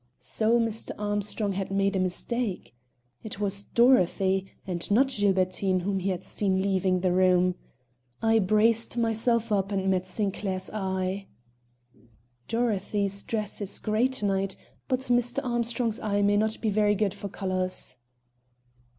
So Mr. Armstrong had made a mistake! It was Dorothy and not Gilbertine whom he had seen leaving the room. I braced myself up and met Sinclair's eye. "Dorothy's dress is gray to night; but Mr. Armstrong's eye may not be very good for colors."